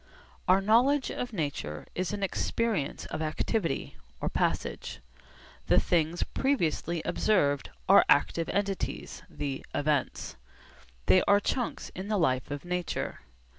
Our knowledge of nature is an experience of activity (or passage). The things previously observed are active entities, the 'events.' They are chunks in the life of nature.